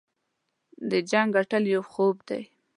د جنګ ګټل یو خوب دی.